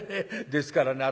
ですからね